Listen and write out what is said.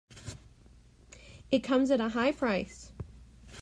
It comes at a high price.